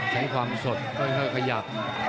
ใช้ความสดค่อยขยับ